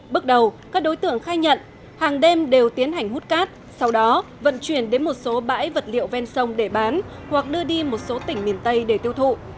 bước đầu các đối tượng khai nhận hàng đêm đều tiến hành hút cát sau đó vận chuyển đến một số bãi vật liệu ven sông để bán hoặc đưa đi một số tỉnh miền tây để tiêu thụ